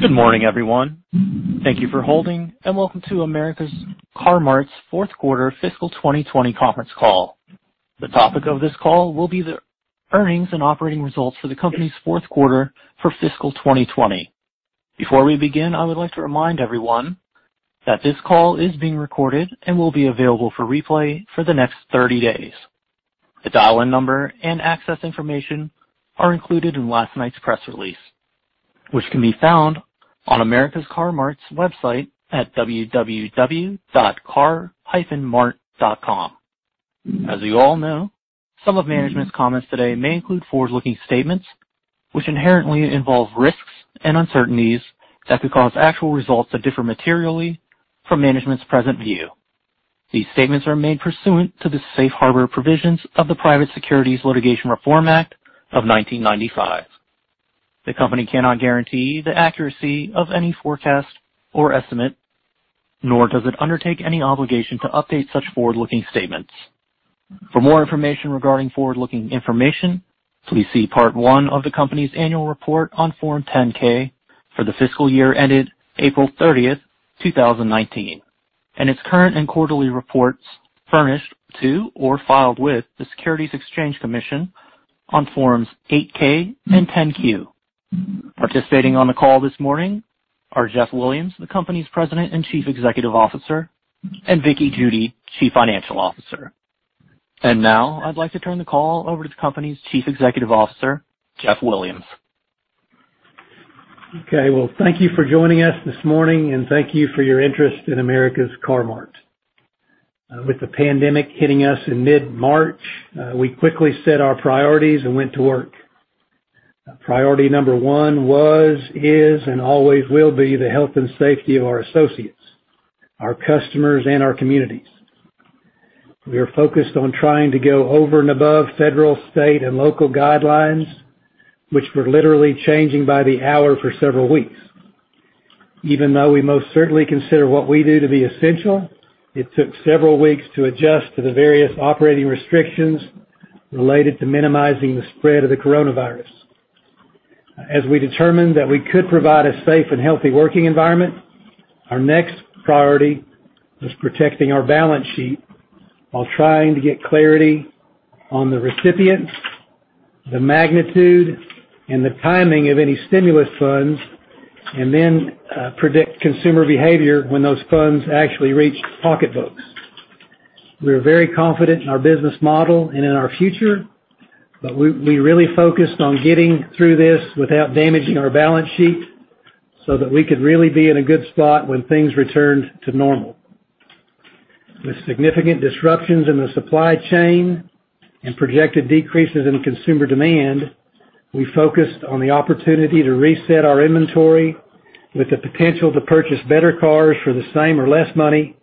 Good morning, everyone. Thank you for holding, welcome to America's Car-Mart's fourth quarter fiscal 2020 conference call. The topic of this call will be the earnings and operating results for the company's fourth quarter for fiscal 2020. Before we begin, I would like to remind everyone that this call is being recorded and will be available for replay for the next 30 days. The dial-in number and access information are included in last night's press release, which can be found on America's Car-Mart's website at www.car-mart.com. As you all know, some of management's comments today may include forward-looking statements, which inherently involve risks and uncertainties that could cause actual results to differ materially from management's present view. These statements are made pursuant to the safe harbor provisions of the Private Securities Litigation Reform Act of 1995. The company cannot guarantee the accuracy of any forecast or estimate, nor does it undertake any obligation to update such forward-looking statements. For more information regarding forward-looking information, please see Part One of the company's annual report on Form 10-K for the fiscal year ended April 30th, 2019, and its current and quarterly reports furnished to or filed with the Securities and Exchange Commission on Forms 8-K and 10-Q. Participating on the call this morning are Jeff Williams, the company's President and Chief Executive Officer, and Vickie Judy, Chief Financial Officer. Now I'd like to turn the call over to the company's Chief Executive Officer, Jeff Williams. Okay. Well, thank you for joining us this morning, and thank you for your interest in America's Car-Mart. With the pandemic hitting us in mid-March, we quickly set our priorities and went to work. Priority number one was, is, and always will be the health and safety of our associates, our customers, and our communities. We are focused on trying to go over and above federal, state, and local guidelines, which were literally changing by the hour for several weeks. Even though we most certainly consider what we do to be essential, it took several weeks to adjust to the various operating restrictions related to minimizing the spread of the coronavirus. As we determined that we could provide a safe and healthy working environment, our next priority was protecting our balance sheet while trying to get clarity on the recipients, the magnitude, and the timing of any stimulus funds, and then predict consumer behavior when those funds actually reached pocketbooks. We're very confident in our business model and in our future, but we really focused on getting through this without damaging our balance sheet so that we could really be in a good spot when things returned to normal. With significant disruptions in the supply chain and projected decreases in consumer demand, we focused on the opportunity to reset our inventory with the potential to purchase better cars for the same or less money,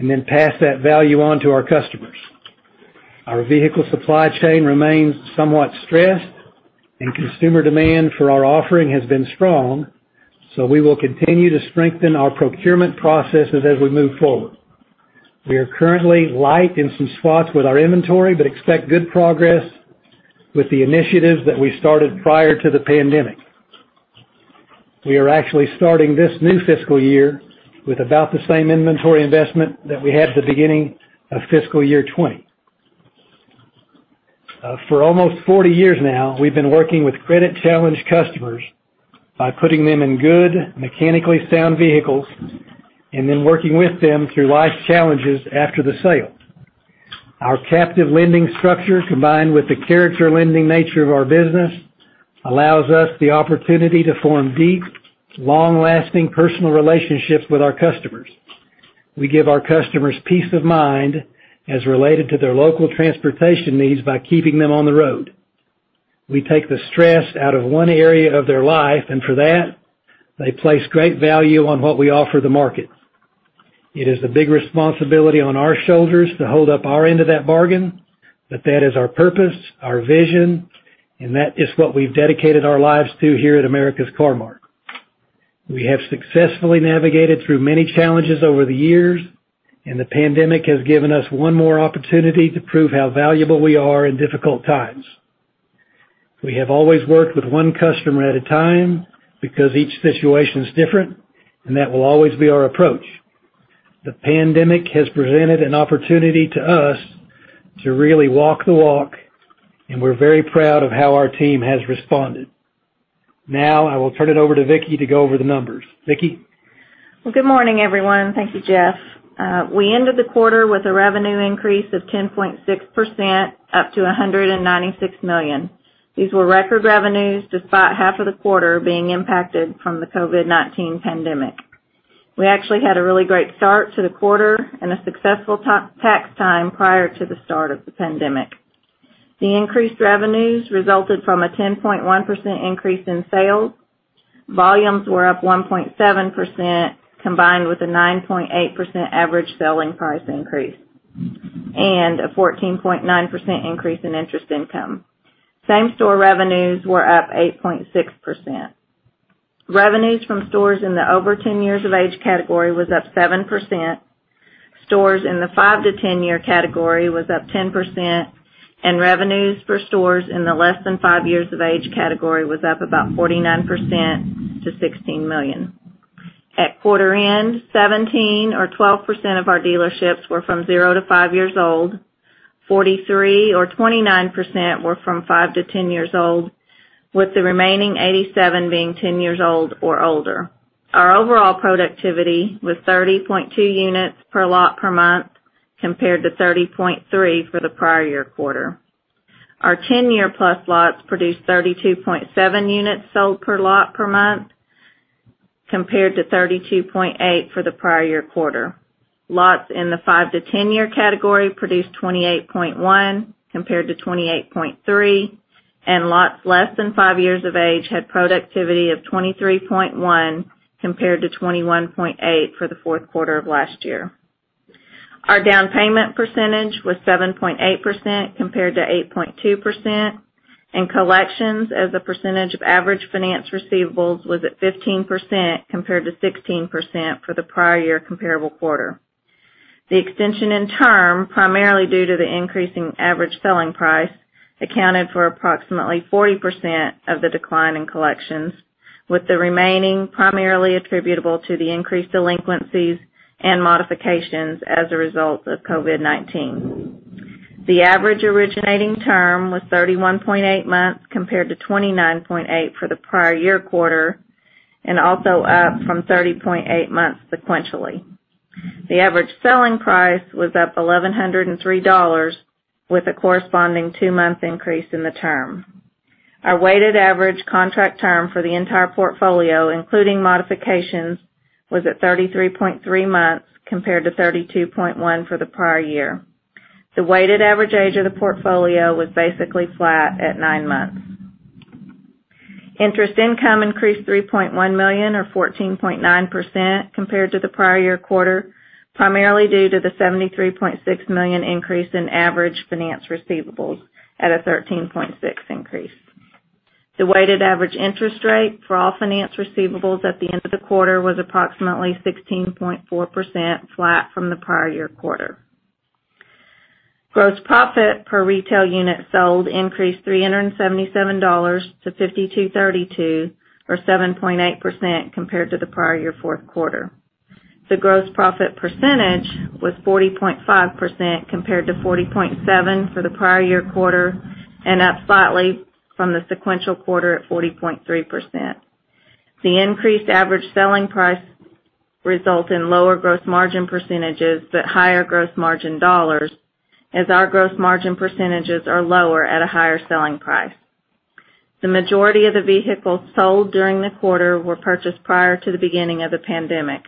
and then pass that value on to our customers. Our vehicle supply chain remains somewhat stressed. Consumer demand for our offering has been strong. We will continue to strengthen our procurement processes as we move forward. We are currently light in some spots with our inventory. We expect good progress with the initiatives that we started prior to the pandemic. We are actually starting this new fiscal year with about the same inventory investment that we had at the beginning of fiscal year 2020. For almost 40 years now, we've been working with credit-challenged customers by putting them in good, mechanically sound vehicles and then working with them through life's challenges after the sale. Our captive lending structure, combined with the character lending nature of our business, allows us the opportunity to form deep, long-lasting, personal relationships with our customers. We give our customers peace of mind as related to their local transportation needs by keeping them on the road. We take the stress out of one area of their life. For that, they place great value on what we offer the market. It is a big responsibility on our shoulders to hold up our end of that bargain. That is our purpose, our vision. That is what we've dedicated our lives to here at America's Car-Mart. We have successfully navigated through many challenges over the years. The pandemic has given us one more opportunity to prove how valuable we are in difficult times. We have always worked with one customer at a time because each situation is different. That will always be our approach. The pandemic has presented an opportunity to us to really walk the walk, and we're very proud of how our team has responded. I will turn it over to Vickie to go over the numbers. Vickie? Well, good morning, everyone. Thank you, Jeff. We ended the quarter with a revenue increase of 10.6%, up to $196 million. These were record revenues despite half of the quarter being impacted from the COVID-19 pandemic. We actually had a really great start to the quarter and a successful tax time prior to the start of the pandemic. The increased revenues resulted from a 10.1% increase in sales. Volumes were up 1.7%, combined with a 9.8% average selling price increase and a 14.9% increase in interest income. Same-store revenues were up 8.6%. Revenues from stores in the over 10 years of age category was up 7%. Stores in the 5-10-year category was up 10%, and revenues for stores in the less than 5 years of age category was up about 49% to $16 million. At quarter end, 17 or 12% of our dealerships were from 0-5 years old, 43 or 29% were from 5-10 years old, with the remaining 87 being 10 years old or older. Our overall productivity was 30.2 units per lot per month, compared to 30.3 for the prior year quarter. Our 10+ year lots produced 32.7 units sold per lot per month, compared to 32.8 for the prior year quarter. Lots in the 5-10 year category produced 28.1 compared to 28.3, and lots less than five years of age had productivity of 23.1 compared to 21.8 for the fourth quarter of last year. Our down payment percentage was 7.8% compared to 8.2%, and collections as a percentage of average finance receivables was at 15% compared to 16% for the prior year comparable quarter. The extension in term, primarily due to the increase in average selling price, accounted for approximately 40% of the decline in collections, with the remaining primarily attributable to the increased delinquencies and modifications as a result of COVID-19. The average originating term was 31.8 months compared to 29.8 for the prior year quarter, and also up from 30.8 months sequentially. The average selling price was up $1,103 with a corresponding two-month increase in the term. Our weighted average contract term for the entire portfolio, including modifications, was at 33.3 months compared to 32.1 for the prior year. The weighted average age of the portfolio was basically flat at nine months. Interest income increased $3.1 million or 14.9% compared to the prior year quarter, primarily due to the $73.6 million increase in average finance receivables at a 13.6% increase. The weighted average interest rate for all finance receivables at the end of the quarter was approximately 16.4%, flat from the prior year quarter. Gross profit per retail unit sold increased $377-$5,232, or 7.8% compared to the prior year fourth quarter. The gross profit percentage was 40.5% compared to 40.7% for the prior year quarter, and up slightly from the sequential quarter at 40.3%. The increased average selling price results in lower gross margin percentage, but higher gross margin dollar as our gross margin percentage are lower at a higher selling price. The majority of the vehicles sold during the quarter were purchased prior to the beginning of the pandemic.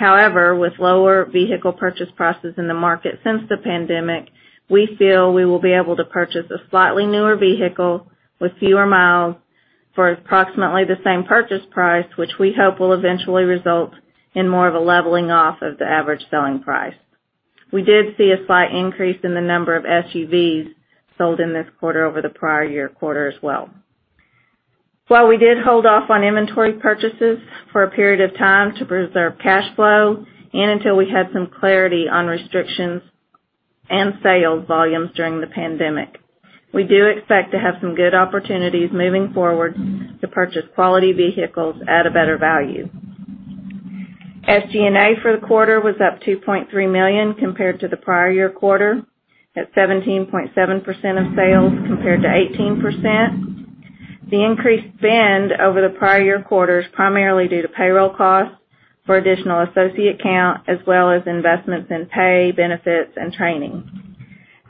With lower vehicle purchase prices in the market since the pandemic, we feel we will be able to purchase a slightly newer vehicle with fewer miles for approximately the same purchase price, which we hope will eventually result in more of a leveling off of the average selling price. We did see a slight increase in the number of SUVs sold in this quarter over the prior year quarter as well. While we did hold off on inventory purchases for a period of time to preserve cash flow and until we had some clarity on restrictions and sales volumes during the pandemic, we do expect to have some good opportunities moving forward to purchase quality vehicles at a better value. SG&A for the quarter was up $2.3 million compared to the prior year quarter, at 17.7% of sales compared to 18%. The increased spend over the prior year quarter is primarily due to payroll costs for additional associate count, as well as investments in pay, benefits, and training.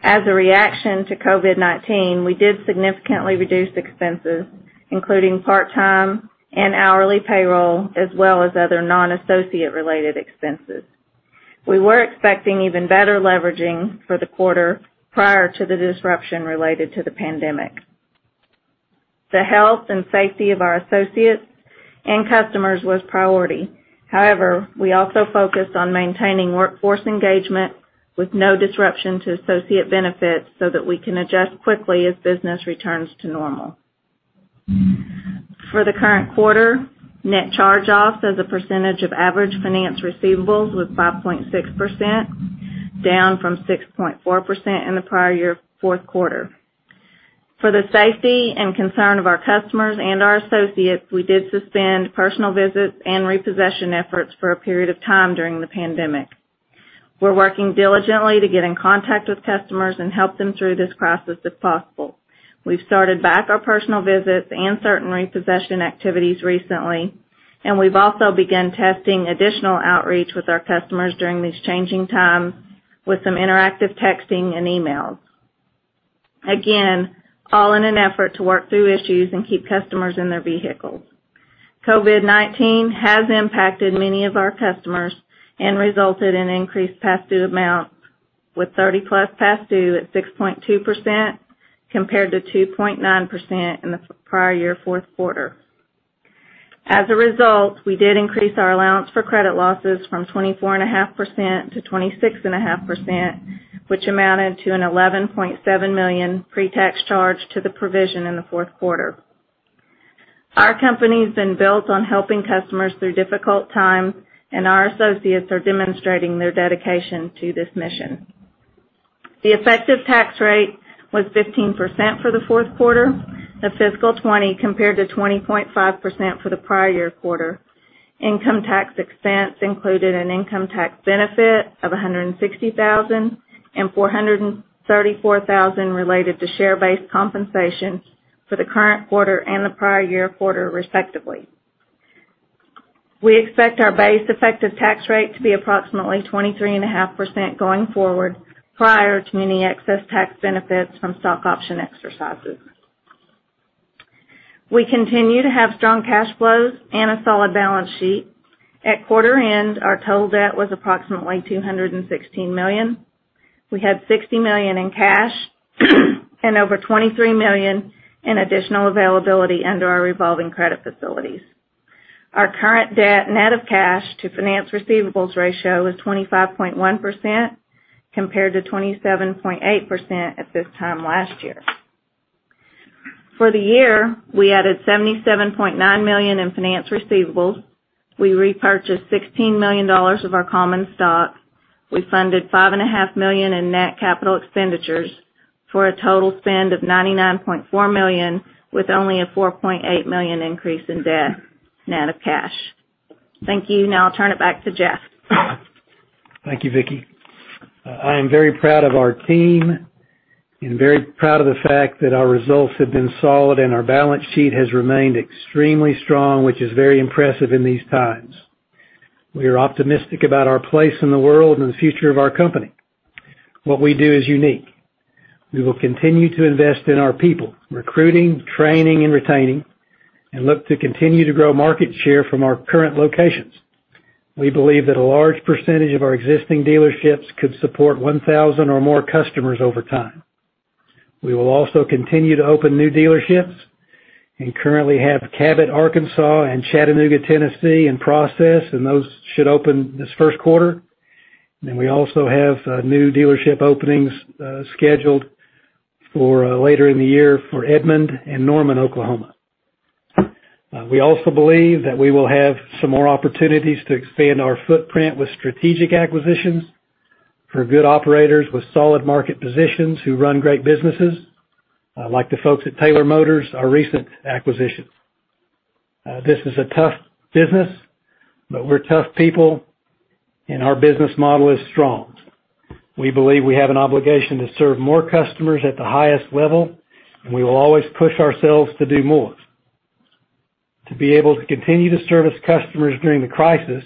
As a reaction to COVID-19, we did significantly reduce expenses, including part-time and hourly payroll, as well as other non-associate related expenses. We were expecting even better leveraging for the quarter, prior to the disruption related to the pandemic. The health and safety of our associates and customers was priority. However, we also focused on maintaining workforce engagement with no disruption to associate benefits so that we can adjust quickly as business returns to normal. For the current quarter, net charge-offs as a percentage of average finance receivables was 5.6%, down from 6.4% in the prior year fourth quarter. For the safety and concern of our customers and our associates, we did suspend personal visits and repossession efforts for a period of time during the pandemic. We're working diligently to get in contact with customers and help them through this process if possible. We've started back our personal visits and certain repossession activities recently, and we've also begun testing additional outreach with our customers during these changing times with some interactive texting and emails. Again, all in an effort to work through issues and keep customers in their vehicles. COVID-19 has impacted many of our customers and resulted in increased past due amounts with 30 plus past due at 6.2%, compared to 2.9% in the prior year fourth quarter. As a result, we did increase our allowance for credit losses from 24.5% to 26.5%, which amounted to an $11.7 million pre-tax charge to the provision in the fourth quarter. Our company's been built on helping customers through difficult times, and our associates are demonstrating their dedication to this mission. The effective tax rate was 15% for the fourth quarter of fiscal 2020, compared to 20.5% for the prior year quarter. Income tax expense included an income tax benefit of $160,000 and $434,000 related to share-based compensation for the current quarter and the prior year quarter, respectively. We expect our base effective tax rate to be approximately 23.5% going forward, prior to any excess tax benefits from stock option exercises. We continue to have strong cash flows and a solid balance sheet. At quarter end, our total debt was approximately $216 million. We had $60 million in cash and over $23 million in additional availability under our revolving credit facilities. Our current debt net of cash to finance receivables ratio is 25.1%, compared to 27.8% at this time last year. For the year, we added $77.9 million in finance receivables. We repurchased $16 million of our common stock. We funded five and a half million in net capital expenditures for a total spend of $99.4 million, with only a $4.8 million increase in debt net of cash. Thank you. Now I'll turn it back to Jeff. Thank you, Vickie. I am very proud of our team and very proud of the fact that our results have been solid, and our balance sheet has remained extremely strong, which is very impressive in these times. We are optimistic about our place in the world and the future of our company. What we do is unique. We will continue to invest in our people, recruiting, training, and retaining, and look to continue to grow market share from our current locations. We believe that a large percentage of our existing dealerships could support 1,000 or more customers over time. We will also continue to open new dealerships and currently have Cabot, Arkansas, and Chattanooga, Tennessee, in process, and those should open this first quarter. We also have new dealership openings scheduled for later in the year for Edmond and Norman, Oklahoma. We also believe that we will have some more opportunities to expand our footprint with strategic acquisitions for good operators with solid market positions who run great businesses, like the folks at Taylor Motors, our recent acquisition. This is a tough business, but we're tough people, and our business model is strong. We believe we have an obligation to serve more customers at the highest level, and we will always push ourselves to do more. To be able to continue to service customers during the crisis,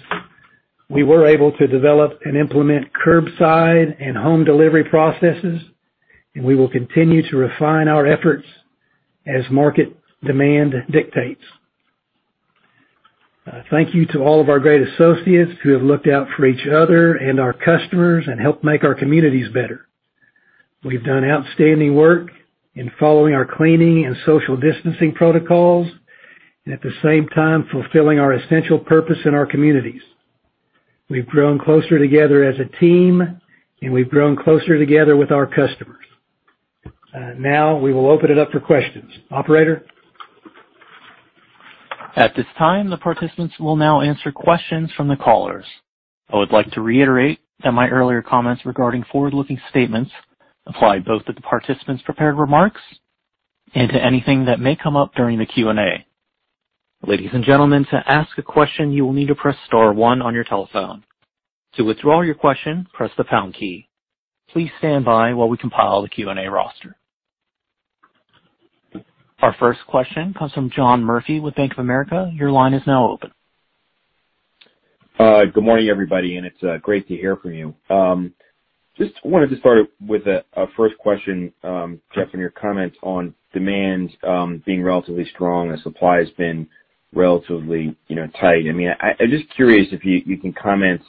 we were able to develop and implement curbside and home delivery processes, and we will continue to refine our efforts as market demand dictates. Thank you to all of our great associates who have looked out for each other and our customers and helped make our communities better. We've done outstanding work in following our cleaning and social distancing protocols, and at the same time, fulfilling our essential purpose in our communities. We've grown closer together as a team, and we've grown closer together with our customers. Now we will open it up for questions. Operator? At this time, the participants will now answer questions from the callers. I would like to reiterate that my earlier comments regarding forward-looking statements apply both to the participants' prepared remarks and to anything that may come up during the Q&A. Ladies and gentlemen, to ask a question, you will need to press star one on your telephone. To withdraw your question, press the pound key. Please stand by while we compile the Q&A roster. Our first question comes from John Murphy with Bank of America. Your line is now open. Good morning, everybody. It's great to hear from you. Just wanted to start with a first question, Jeff, in your comments on demand being relatively strong and supply has been relatively tight. I'm just curious if you can comment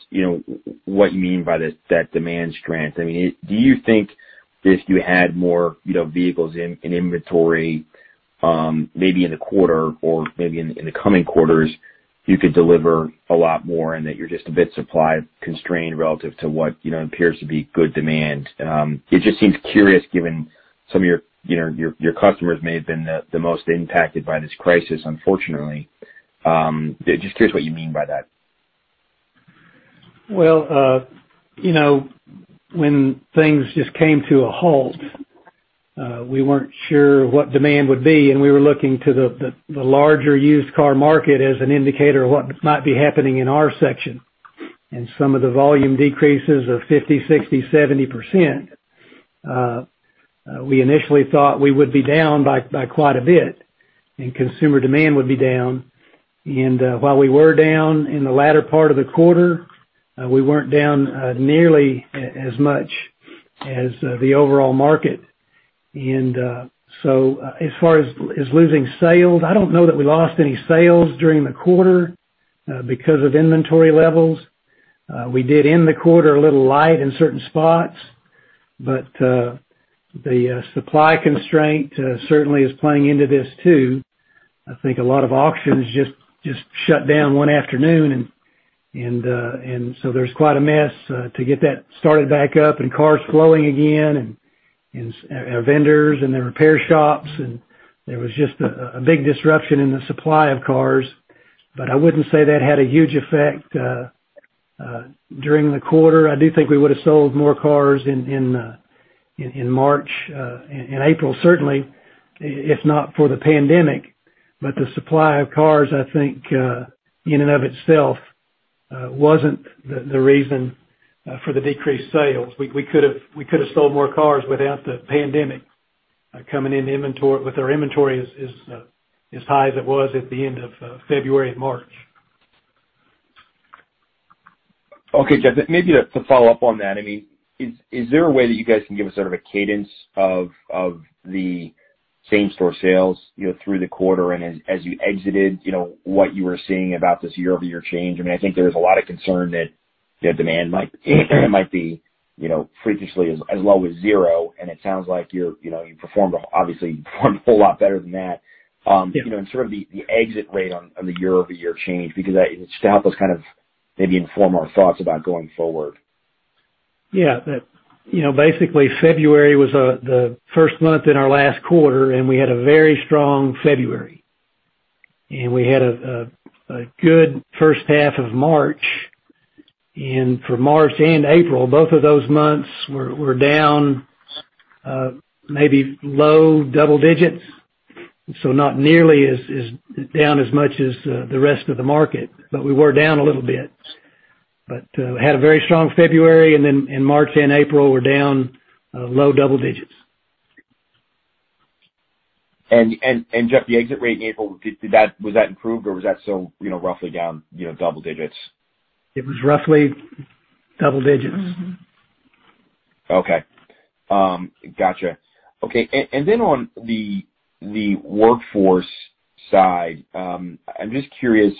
what you mean by that demand strength. Do you think if you had more vehicles in inventory, maybe in the quarter or maybe in the coming quarters, you could deliver a lot more and that you're just a bit supply-constrained relative to what appears to be good demand? It just seems curious given some of your customers may have been the most impacted by this crisis, unfortunately. Just curious what you mean by that. Well, when things just came to a halt, we weren't sure what demand would be, and we were looking to the larger used car market as an indicator of what might be happening in our section. Some of the volume decreases of 50%, 60%, 70%. We initially thought we would be down by quite a bit and consumer demand would be down. While we were down in the latter part of the quarter, we weren't down nearly as much as the overall market. As far as losing sales, I don't know that we lost any sales during the quarter because of inventory levels. We did end the quarter a little light in certain spots, but the supply constraint certainly is playing into this, too. I think a lot of auctions just shut down one afternoon and there's quite a mess to get that started back up and cars flowing again, and our vendors and the repair shops. There was just a big disruption in the supply of cars. I wouldn't say that had a huge effect during the quarter. I do think we would've sold more cars in March and April, certainly, if not for the pandemic. The supply of cars, I think, in and of itself, wasn't the reason for the decreased sales. We could've sold more cars without the pandemic coming in with our inventory as high as it was at the end of February and March. Okay, Jeff. Maybe to follow up on that. Is there a way that you guys can give us sort of a cadence of the same-store sales through the quarter and as you exited, what you were seeing about this year-over-year change? I think there's a lot of concern that demand might be freakishly as low as zero, and it sounds like you obviously performed a whole lot better than that. Yeah. Sort of the exit rate on the year-over-year change, because that should help us kind of maybe inform our thoughts about going forward. Yeah. Basically, February was the first month in our last quarter, and we had a very strong February. We had a good first half of March. For March and April, both of those months were down maybe low double digits. Not nearly as down as much as the rest of the market, but we were down a little bit. Had a very strong February, and then in March and April were down low double digits. Jeff, the exit rate in April, was that improved or was that still roughly down double digits? It was roughly double digits. Okay. Got you. Okay. On the workforce side, I'm just curious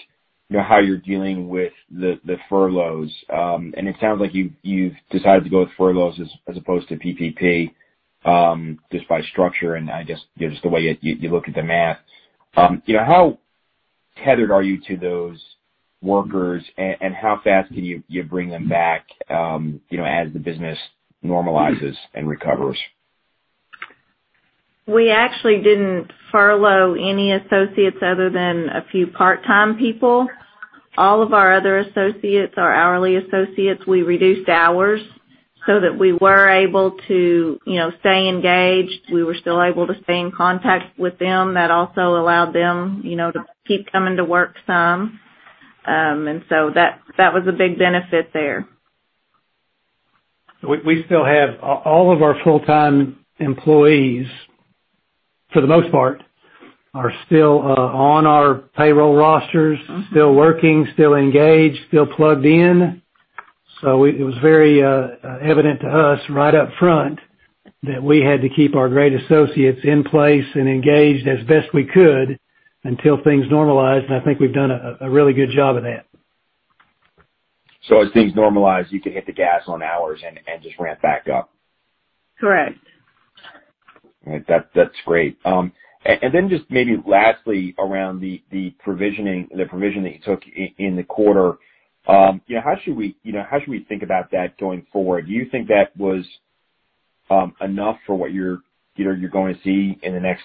how you're dealing with the furloughs. It sounds like you've decided to go with furloughs as opposed to PPP, just by structure, and I guess just the way you look at the math. How tethered are you to those workers, and how fast can you bring them back as the business normalizes and recovers? We actually didn't furlough any associates other than a few part-time people. All of our other associates are hourly associates. We reduced hours so that we were able to stay engaged. We were still able to stay in contact with them. That also allowed them to keep coming to work some. That was a big benefit there. We still have all of our full-time employees, for the most part, are still on our payroll rosters, still working, still engaged, still plugged in. It was very evident to us right up front that we had to keep our great associates in place and engaged as best we could until things normalized, and I think we've done a really good job of that. As things normalize, you can hit the gas on hours and just ramp back up? Correct. All right. That's great. Just maybe lastly, around the provision that you took in the quarter. How should we think about that going forward? Do you think that was enough for what you're going to see in the next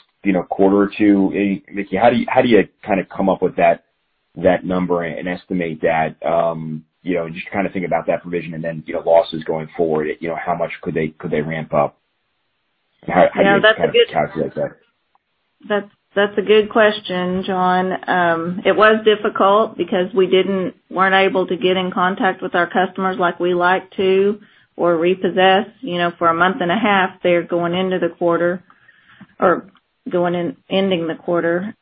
quarter or two? Vickie, how do you kind of come up with that number and estimate that, and just kind of think about that provision and then losses going forward? How much could they ramp up? How do you kind of calculate that? That's a good question, John. It was difficult because we weren't able to get in contact with our customers like we like to or repossess. For a month and a half there going into the quarter, or ending the quarter.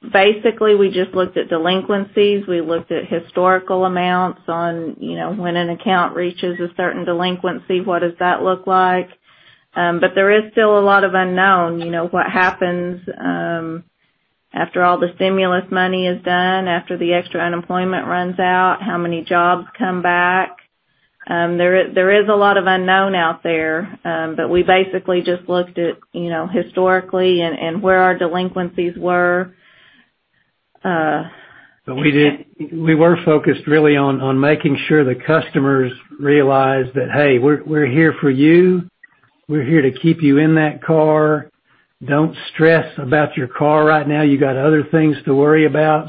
Basically, we just looked at delinquencies. We looked at historical amounts on when an account reaches a certain delinquency, what does that look like? There is still a lot of unknown. What happens after all the stimulus money is done, after the extra unemployment runs out, how many jobs come back? There is a lot of unknown out there. We basically just looked at historically and where our delinquencies were. We were focused really on making sure the customers realized that, "Hey, we're here for you. We're here to keep you in that car. Don't stress about your car right now. You got other things to worry about."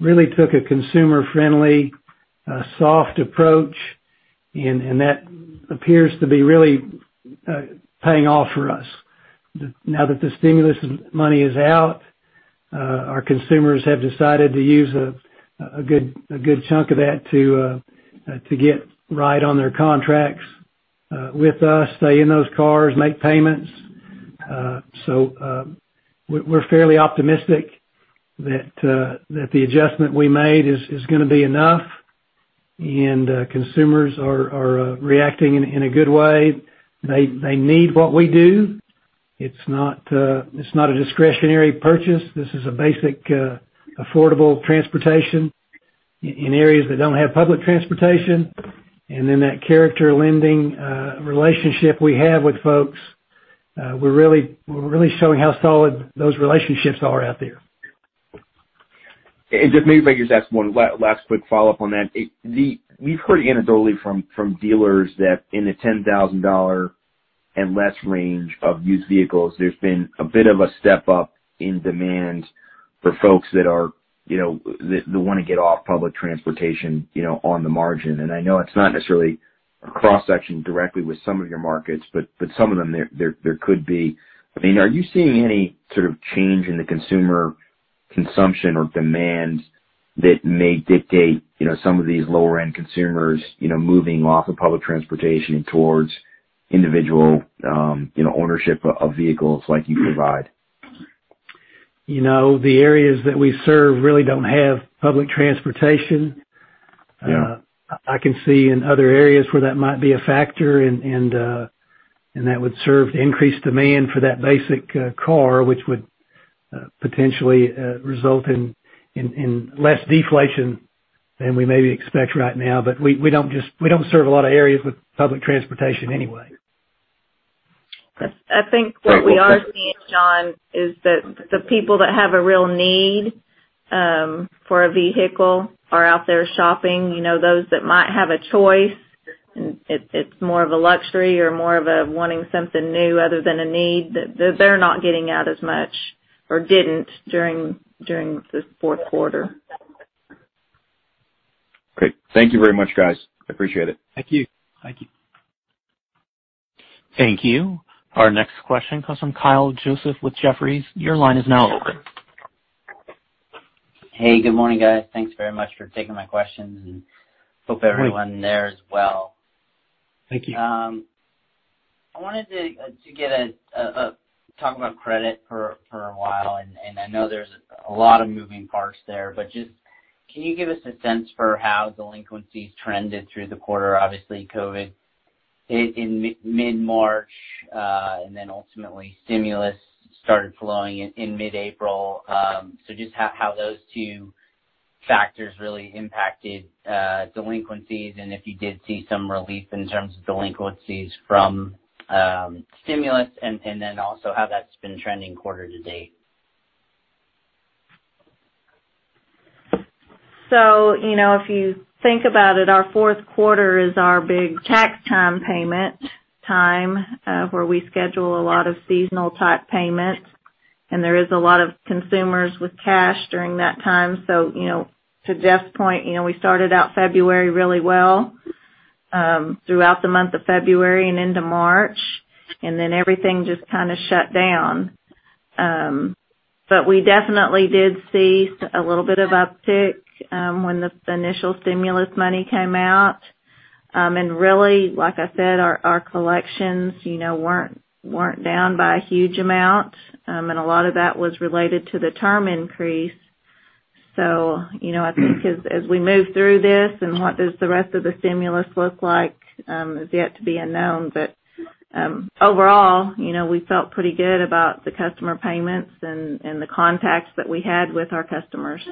Really took a consumer-friendly, soft approach, and that appears to be really paying off for us. Now that the stimulus money is out, our consumers have decided to use a good chunk of that to get right on their contracts with us, stay in those cars, make payments. We're fairly optimistic that the adjustment we made is going to be enough, and consumers are reacting in a good way. They need what we do. It's not a discretionary purchase. This is a basic affordable transportation in areas that don't have public transportation. That character lending relationship we have with folks. We're really showing how solid those relationships are out there. Jeff, maybe if I could just ask one last quick follow-up on that. We've heard anecdotally from dealers that in the $10,000 and less range of used vehicles, there's been a bit of a step-up in demand for folks that want to get off public transportation on the margin. I know it's not necessarily a cross-section directly with some of your markets, but some of them there could be. Are you seeing any sort of change in the consumer consumption or demand that may dictate some of these lower-end consumers moving off of public transportation towards individual ownership of vehicles like you provide? The areas that we serve really don't have public transportation. Yeah. I can see in other areas where that might be a factor, that would serve to increase demand for that basic car, which would potentially result in less deflation than we maybe expect right now. We don't serve a lot of areas with public transportation anyway. I think what we are seeing, John, is that the people that have a real need for a vehicle are out there shopping. Those that might have a choice, it's more of a luxury or more of a wanting something new other than a need, they're not getting out as much or didn't during this fourth quarter. Great. Thank you very much, guys. I appreciate it. Thank you. Thank you. Our next question comes from Kyle Joseph with Jefferies. Your line is now open. Hey, good morning, guys. Thanks very much for taking my questions and hope everyone there is well. Thank you. I wanted to talk about credit for a while, and I know there's a lot of moving parts there, but just can you give us a sense for how delinquencies trended through the quarter? Obviously, COVID-19 hit in mid-March, and then ultimately stimulus started flowing in mid-April. Just how those two factors really impacted delinquencies, and if you did see some relief in terms of delinquencies from stimulus, and then also how that's been trending quarter to date. If you think about it, our fourth quarter is our big tax time payment time, where we schedule a lot of seasonal type payments, and there is a lot of consumers with cash during that time. To Jeff's point we started out February really well, throughout the month of February and into March, and then everything just kind of shut down. We definitely did see a little bit of uptick when the initial stimulus money came out. Really, like I said, our collections weren't down by a huge amount. A lot of that was related to the term increase. I think as we move through this and what does the rest of the stimulus look like, is yet to be unknown. Overall, we felt pretty good about the customer payments and the contacts that we had with our customers.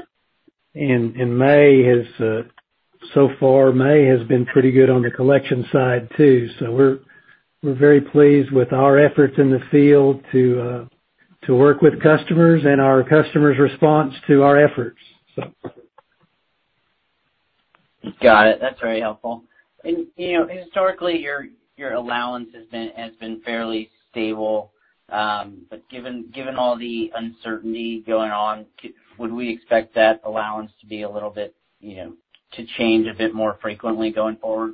So far, May has been pretty good on the collection side, too. We're very pleased with our efforts in the field to work with customers and our customers' response to our efforts. Got it. That's very helpful. Historically, your allowance has been fairly stable. Given all the uncertainty going on, would we expect that allowance to change a bit more frequently going forward?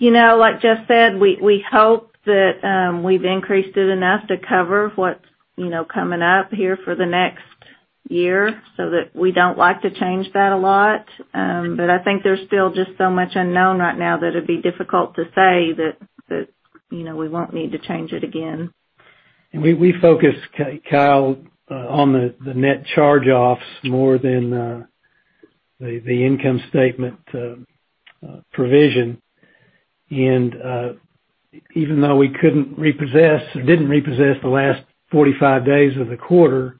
Like Jeff said, we hope that we've increased it enough to cover what's coming up here for the next year, so that we don't like to change that a lot. I think there's still just so much unknown right now that it'd be difficult to say that we won't need to change it again. We focus, Kyle, on the net charge-offs more than the income statement provision. Even though we couldn't repossess or didn't repossess the last 45 days of the quarter,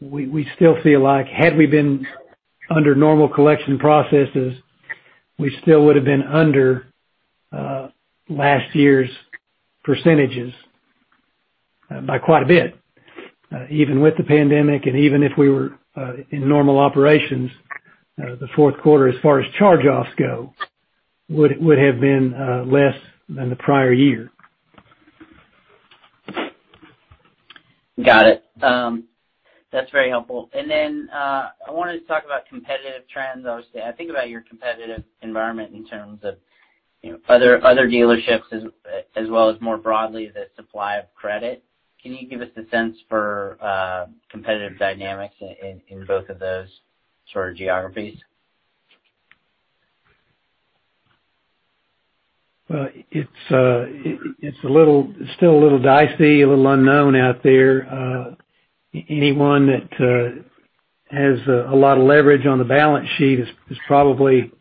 we still feel like had we been under normal collection processes, we still would have been under last year's percentages by quite a bit. Even with the pandemic, and even if we were in normal operations, the fourth quarter, as far as charge-offs go, would have been less than the prior year. Got it. That's very helpful. Then, I wanted to talk about competitive trends. Obviously, I think about your competitive environment in terms of other dealerships as well as more broadly, the supply of credit. Can you give us a sense for competitive dynamics in both of those sort of geographies? Well, it's still a little dicey, a little unknown out there. Anyone that has a lot of leverage on the balance sheet is probably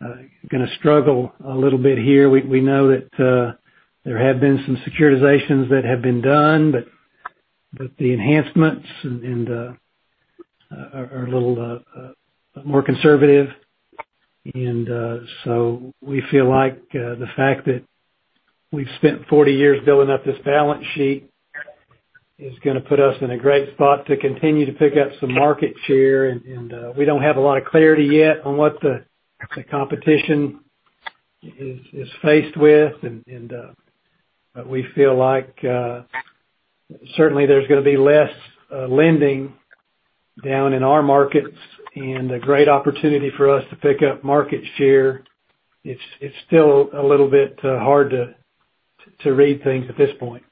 going to struggle a little bit here. We know that there have been some securitizations that have been done, but the enhancements and they are a little more conservative. We feel like the fact that we've spent 40 years building up this balance sheet is going to put us in a great spot to continue to pick up some market share. We don't have a lot of clarity yet on what the competition is faced with, but we feel like certainly there's going to be less lending down in our markets and a great opportunity for us to pick up market share. It's still a little bit hard to read things at this point.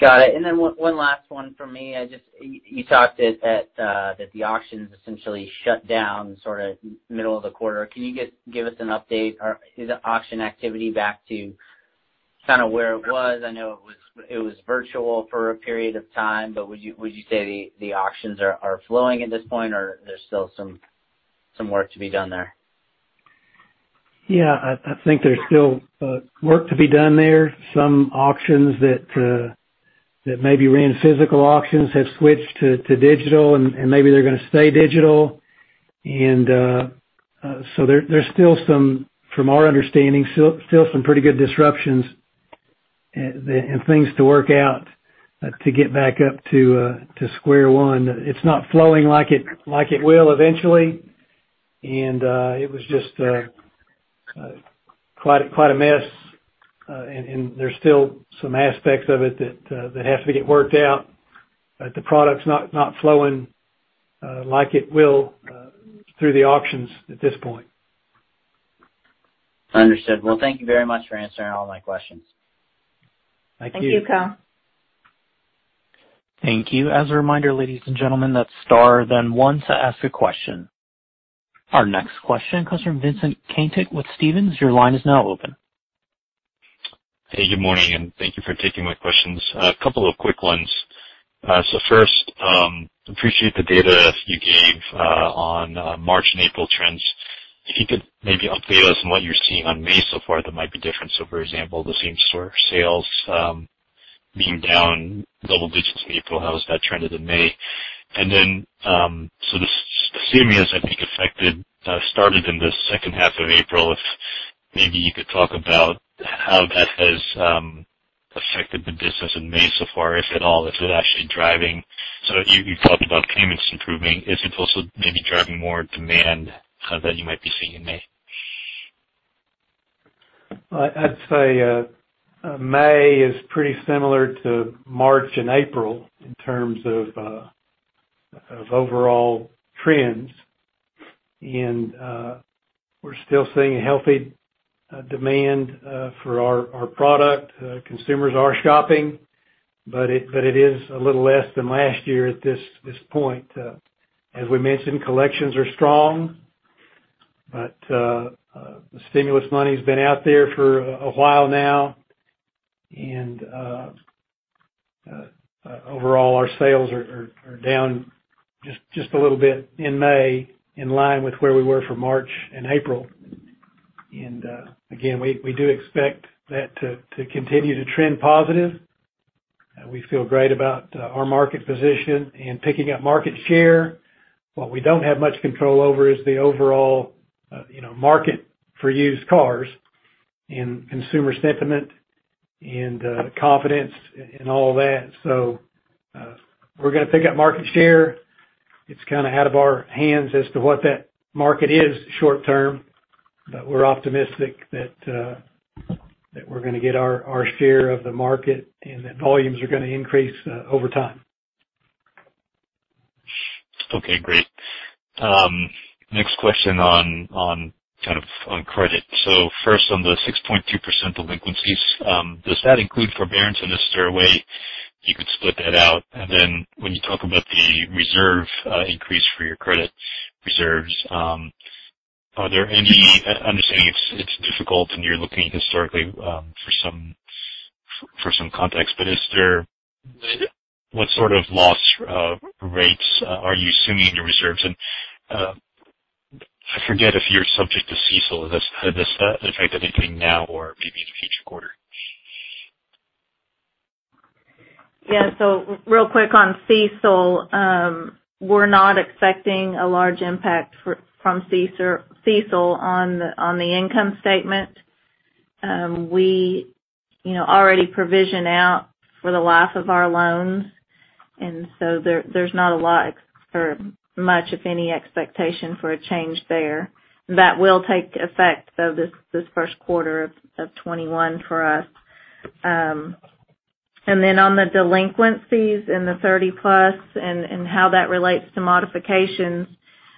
Got it. One last one from me. You talked that the auctions essentially shut down sort of middle of the quarter. Can you give us an update? Is the auction activity back to kind of where it was? I know it was virtual for a period of time, but would you say the auctions are flowing at this point, or there's still some work to be done there? Yeah, I think there's still work to be done there. Some auctions that maybe ran physical auctions have switched to digital, and maybe they're going to stay digital. There's still some, from our understanding, still some pretty good disruptions and things to work out to get back up to square one. It's not flowing like it will eventually. It was just quite a mess, and there's still some aspects of it that have to get worked out. The product's not flowing like it will through the auctions at this point. Understood. Well, thank you very much for answering all my questions. Thank you. Thank you, Kyle. Thank you. As a reminder, ladies and gentlemen, that's star then one to ask a question. Our next question comes from Vincent Caintic with Stephens. Your line is now open. Hey, good morning, and thank you for taking my questions. A couple of quick ones. First, appreciate the data you gave on March and April trends. If you could maybe update us on what you're seeing on May so far that might be different. For example, the same store sales being down double digits in April, how has that trended in May? The stimulus, I think, affected started in the second half of April. If maybe you could talk about how that has affected the business in May so far, if at all. If it's actually driving. You talked about payments improving. Is it also maybe driving more demand that you might be seeing in May? I'd say May is pretty similar to March and April in terms of overall trends. We're still seeing a healthy demand for our product. Consumers are shopping, but it is a little less than last year at this point. As we mentioned, collections are strong, but the stimulus money's been out there for a while now, and overall, our sales are down just a little bit in May, in line with where we were for March and April. Again, we do expect that to continue to trend positive. We feel great about our market position and picking up market share. What we don't have much control over is the overall market for used cars and consumer sentiment and confidence and all that. We're going to pick up market share. It's kind of out of our hands as to what that market is short term, but we're optimistic that we're going to get our share of the market and that volumes are going to increase over time. Okay, great. Next question on credit. First, on the 6.2% delinquencies, does that include forbearance? Is there a way you could split that out? When you talk about the reserve increase for your credit reserves, understanding it's difficult and you're looking historically for some context, but what sort of loss rates are you assuming in your reserves? I forget if you're subject to CECL. Has this effect been between now or maybe in a future quarter? Yeah. Real quick on CECL. We're not expecting a large impact from CECL on the income statement. We already provision out for the life of our loans, there's not a lot or much of any expectation for a change there. That will take effect, though, this first quarter of 2021 for us. On the delinquencies and the 30-plus and how that relates to modifications,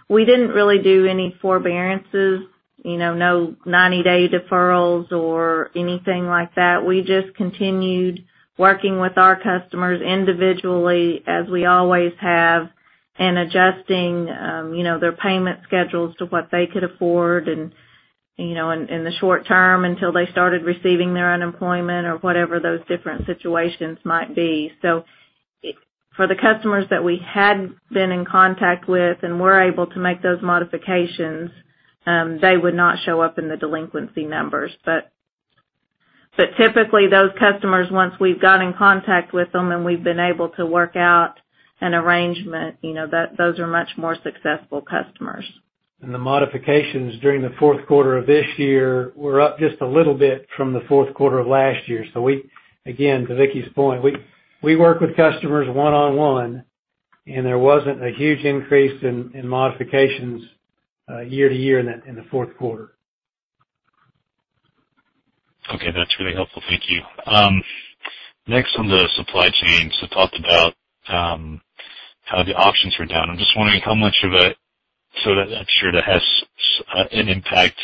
we didn't really do any forbearances, no 90-day deferrals or anything like that. We just continued working with our customers individually as we always have and adjusting their payment schedules to what they could afford in the short term until they started receiving their unemployment or whatever those different situations might be. For the customers that we had been in contact with and were able to make those modifications, they would not show up in the delinquency numbers. Typically, those customers, once we've got in contact with them and we've been able to work out an arrangement, those are much more successful customers. The modifications during the fourth quarter of this year were up just a little bit from the fourth quarter of last year. Again, to Vickie's point, we work with customers one-on-one, and there wasn't a huge increase in modifications year to year in the fourth quarter. Okay, that's really helpful. Thank you. Next on the supply chain, talked about how the auctions were down. I'm just wondering how much of it, I'm sure it has an impact.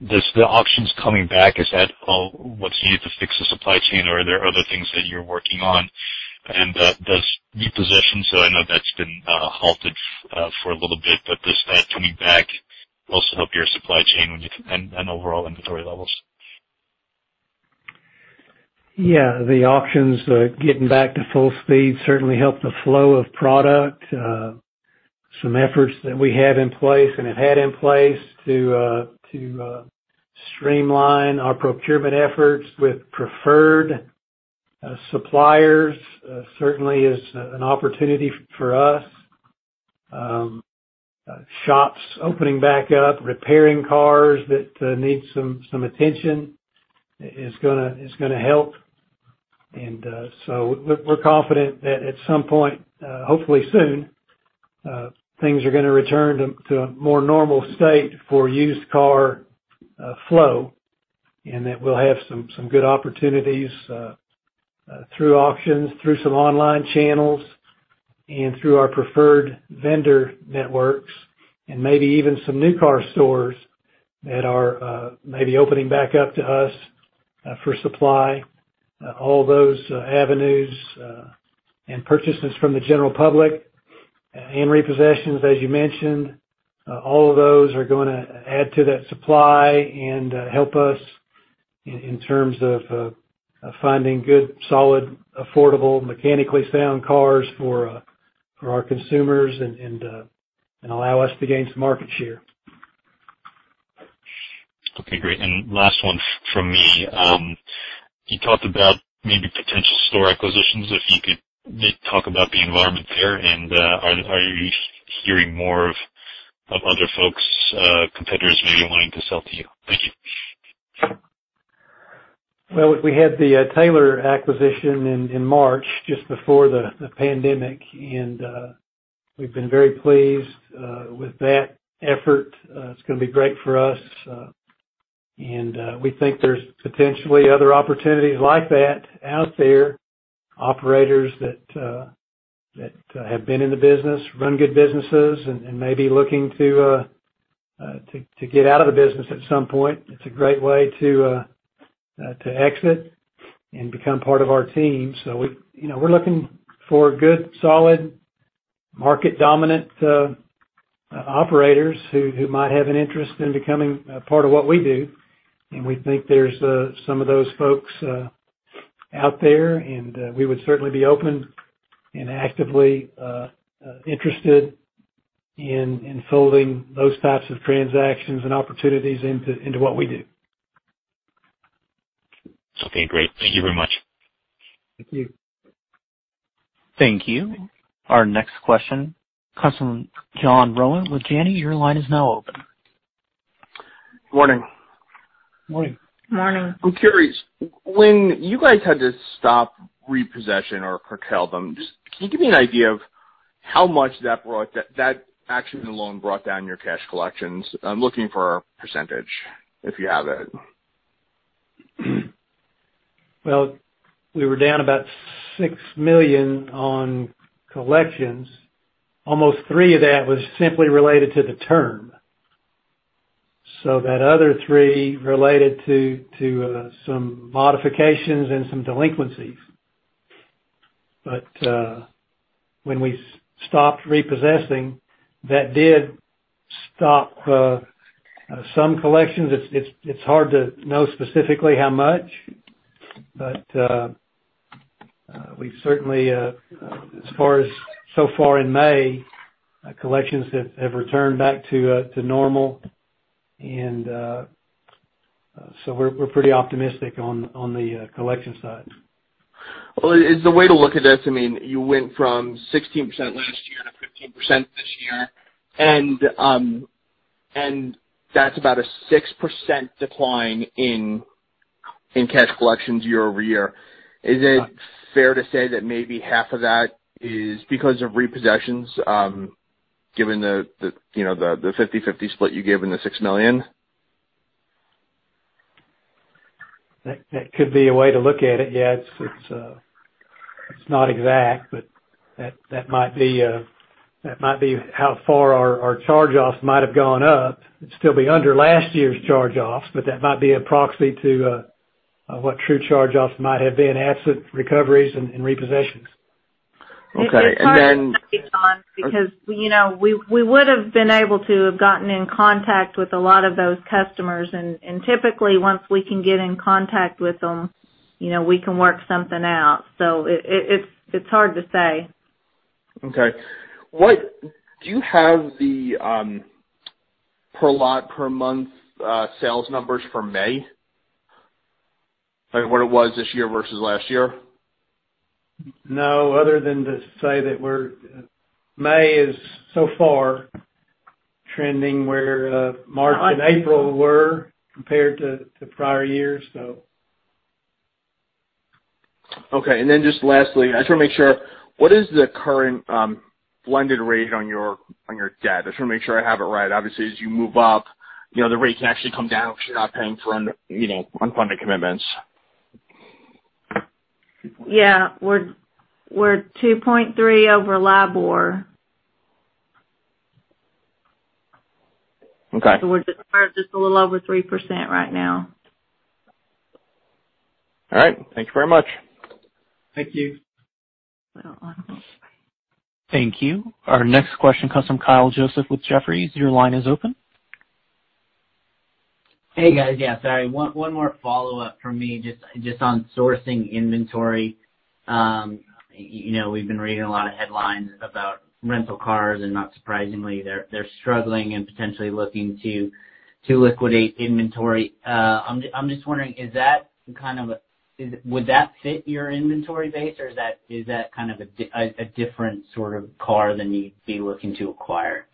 Does the auctions coming back, is that what's needed to fix the supply chain, or are there other things that you're working on? Does repossession, I know that's been halted for a little bit, but does that coming back also help your supply chain and overall inventory levels? Yeah. The auctions getting back to full speed certainly help the flow of product. Some efforts that we have in place and have had in place to streamline our procurement efforts with preferred suppliers certainly is an opportunity for us. Shops opening back up, repairing cars that need some attention is going to help. We're confident that at some point, hopefully soon, things are going to return to a more normal state for used car flow, and that we'll have some good opportunities through auctions, through some online channels, and through our preferred vendor networks, and maybe even some new car stores that are maybe opening back up to us for supply. All those avenues, and purchases from the general public, and repossessions, as you mentioned, all of those are going to add to that supply and help us in terms of finding good, solid, affordable, mechanically sound cars for our consumers and allow us to gain some market share. Okay, great. Last one from me. You talked about maybe potential store acquisitions. If you could maybe talk about the environment there, and are you hearing more of other folks, competitors maybe wanting to sell to you? Thank you. We had the Taylor acquisition in March, just before the pandemic, and we've been very pleased with that effort. It's going to be great for us. We think there's potentially other opportunities like that out there. Operators that have been in the business, run good businesses, and may be looking to get out of the business at some point. It's a great way to exit and become part of our team. We're looking for good, solid, market dominant operators who might have an interest in becoming a part of what we do, and we think there's some of those folks out there, and we would certainly be open and actively interested in folding those types of transactions and opportunities into what we do. Okay, great. Thank you very much. Thank you. Thank you. Our next question comes from John Rowan with Janney. Your line is now open. Morning. Morning. Morning. I'm curious, when you guys had to stop repossession or curtail them, just can you give me an idea of how much that action alone brought down your cash collections? I'm looking for a percentage, if you have it. Well, we were down about $6 million on collections. Almost three of that was simply related to the term. That other three related to some modifications and some delinquencies. When we stopped repossessing, that did stop some collections. It's hard to know specifically how much. We've certainly, so far in May, collections have returned back to normal. We're pretty optimistic on the collection side. Well, is the way to look at this, you went from 16% last year to 15% this year, and that's about a 6% decline in cash collections year-over-year. Is it fair to say that maybe half of that is because of repossessions, given the 50/50 split you gave in the $6 million? That could be a way to look at it. Yeah. It's not exact, but that might be how far our charge-offs might have gone up. It'd still be under last year's charge-offs, but that might be a proxy to what true charge-offs might have been, absent recoveries and repossessions. Okay. It's hard to say, John, because we would've been able to have gotten in contact with a lot of those customers. Typically, once we can get in contact with them, we can work something out. It's hard to say. Okay. Do you have the per lot per month sales numbers for May? What it was this year versus last year? No, other than to say that May is so far trending where March and April were compared to prior years. Okay, just lastly, I just want to make sure, what is the current blended rate on your debt? I just want to make sure I have it right. Obviously, as you move up, the rate can actually come down because you're not paying for unfunded commitments. Yeah. We're 2.3 over LIBOR. Okay. We're just a little over 3% right now. All right. Thank you very much. Thank you. Thank you. Our next question comes from Kyle Joseph with Jefferies. Your line is open. Hey, guys. Yeah, sorry, one more follow-up from me just on sourcing inventory. We've been reading a lot of headlines about rental cars, and not surprisingly, they're struggling and potentially looking to liquidate inventory. I'm just wondering, would that fit your inventory base, or is that a different sort of car than you'd be looking to acquire?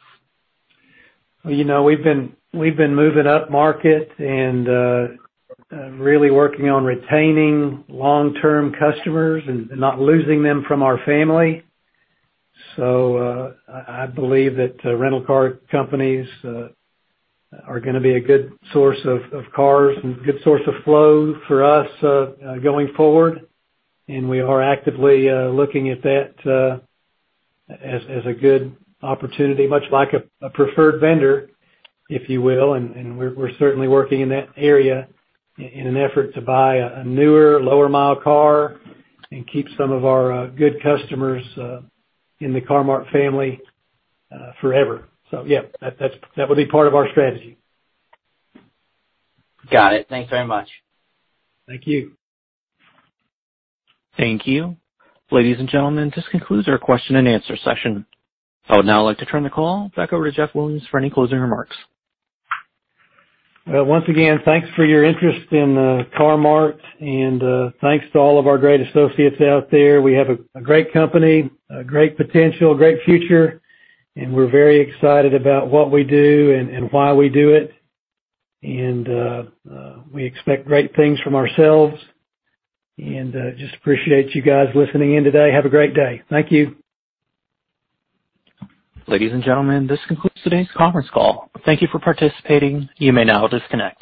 We've been moving upmarket and really working on retaining long-term customers and not losing them from our family. I believe that rental car companies are going to be a good source of cars and good source of flow for us going forward, and we are actively looking at that as a good opportunity, much like a preferred vendor, if you will, and we're certainly working in that area in an effort to buy a newer, lower-mile car and keep some of our good customers in the Car-Mart family forever. Yeah, that will be part of our strategy. Got it. Thanks very much. Thank you. Thank you. Ladies and gentlemen, this concludes our question and answer session. I would now like to turn the call back over to Jeff Williams for any closing remarks. Once again, thanks for your interest in Car-Mart, and thanks to all of our great associates out there. We have a great company, a great potential, a great future, and we're very excited about what we do and why we do it. We expect great things from ourselves and just appreciate you guys listening in today. Have a great day. Thank you. Ladies and gentlemen, this concludes today's conference call. Thank you for participating. You may now disconnect.